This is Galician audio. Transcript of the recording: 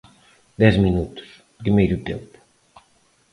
Dez minutos, primeiro tempo.